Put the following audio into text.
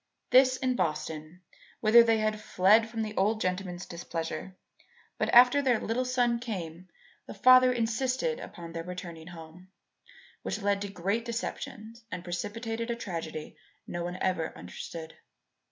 This in Boston whither they had fled from the old gentleman's displeasure; but after their little son came the father insisted upon their returning home, which led to great deceptions, and precipitated a tragedy no one ever understood.